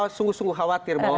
sungguh sungguh khawatir bahwa